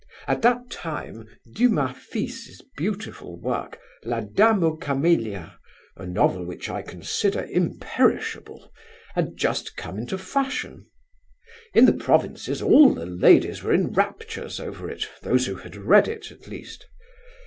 At that time Dumas fils' beautiful work, La Dame aux Camélias—a novel which I consider imperishable—had just come into fashion. In the provinces all the ladies were in raptures over it, those who had read it, at least.